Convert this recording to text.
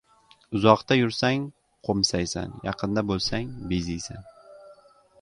• Uzoqda yursang — qo‘msaysan, yaqinda bo‘lsang — beziysan.